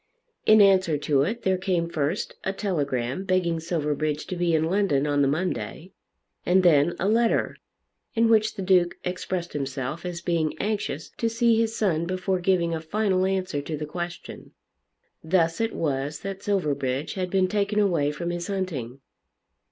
In answer to it there came first a telegram begging Silverbridge to be in London on the Monday, and then a letter, in which the Duke expressed himself as being anxious to see his son before giving a final answer to the question. Thus it was that Silverbridge had been taken away from his hunting.